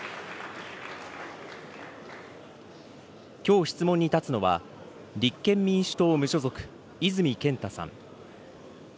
きょう質問に立つのは、立憲民主党・無所属、泉健太さん。